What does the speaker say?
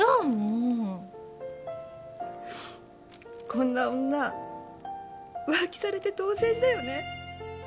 こんな女浮気されて当然だよね。